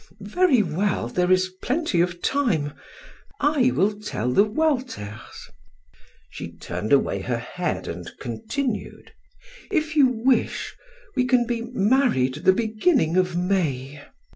"Very well; there is plenty of time. I will tell the Walters." She turned away her head and continued: "If you wish, we can be married the beginning of May."